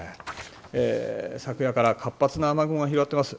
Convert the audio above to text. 昨夜から活発な雨雲が広がっています。